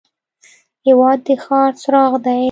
هېواد د ښار څراغ دی.